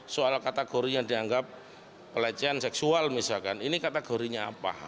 soal kategori yang dianggap pelecehan seksual misalkan ini kategorinya apa